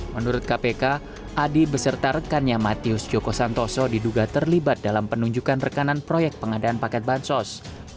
menurut kpk adi beserta rekannya matius joko santoso diduga terlibat dalam penunjukan rekanan proyek pengadaan paket bansos